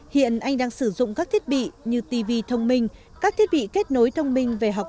hiện anh đang sử dụng các thiết bị như tv thông minh các thiết bị kết nối thông minh về học